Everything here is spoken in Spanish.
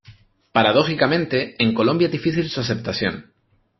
Paradójicamente, en Colombia es difícil su aceptación.